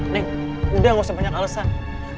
neng udah gak usah banyak alesan